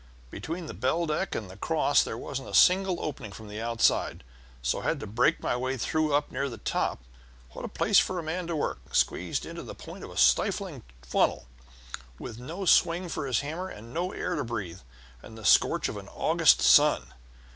Between the bell deck and the cross there wasn't a single opening from the inside out, so I had to break my way through up near the top. What a place for a man to work, squeezed in the point of a stifling funnel, with no swing for his hammer, and no air to breathe, and the scorch of an August sun!